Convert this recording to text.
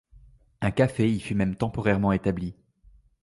Un café y fut même temporairement établi.